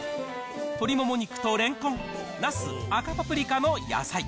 鶏もも肉とれんこん、なす、赤パプリカの野菜。